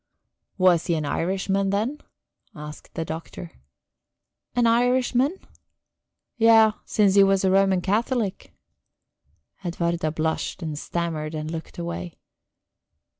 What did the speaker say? "Was he an Irishman then?" asked the Doctor. "An Irishman...?" "Yes since he was a Roman Catholic." Edwarda blushed, and stammered and looked away.